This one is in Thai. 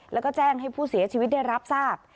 แล้วก็แจ้งให้ผู้เสียชีวิตได้รับทราบ